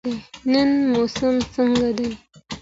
نن موسم څنګه دی؟